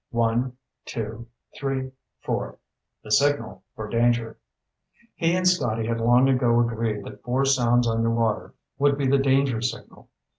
One, two, three, four the signal for danger! He and Scotty had long ago agreed that four sounds underwater would be the danger signal.